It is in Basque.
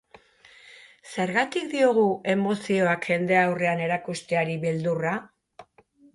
Zergatik diogu emozioak jendaurrean erakusteari beldurra?